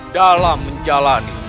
dalam menjalani hukuman ini